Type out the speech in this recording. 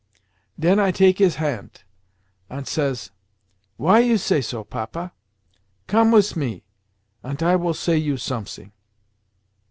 "Den I take his hant, ant says, 'Why say you so, Papa? Come wis me, ant I will say you somesing.